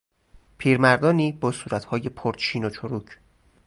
پیرمردانی با صورتهای پرچین و چروک